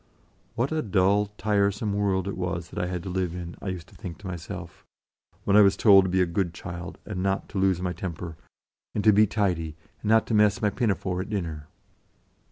What a dull, tire some world it was that I had to live in, I used to think to myself, when I was told to be a good child, and not to lose my temper, and to be tidy, and not mess my pinafore at dinner.